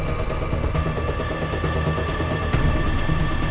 tidak tidak tidak